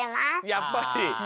やっぱり。